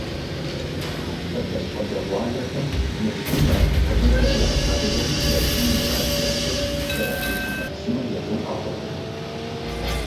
Хэхэс щӏалэгъуалэхэм езым я фӏэфӏыныгъэкӏэ адыгэбзэр яджыну мурад ящӏри, зэраджын ӏэмэпсымэ езым къагъуэтыжыф.